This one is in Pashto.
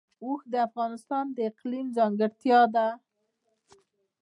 اوښ د افغانستان د اقلیم ځانګړتیا ده.